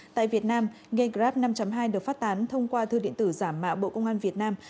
tại việt nam game grab năm hai được phát tán thông qua thư điện tử giả mạo bộ công an việt nam